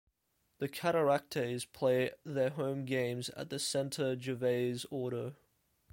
The Cataractes play their home games at the Centre Gervais Auto.